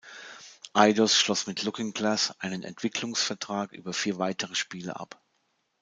Eidos schloss mit Looking Glass einen Entwicklungsvertrag über vier weitere Spiele ab.